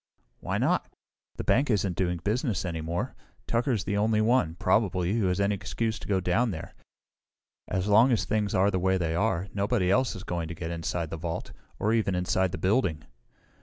"Why not? The bank isn't doing business any more. Tucker is the only one, probably, who has any excuse to go down there. As long as things are the way they are, nobody else is going to get inside the vault or even inside the building."